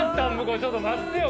ちょっと待ってよ